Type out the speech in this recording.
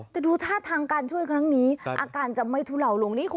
แต่ดูท่าทางการช่วยครั้งนี้อาการจะไม่ทุเลาลงนี้คุณ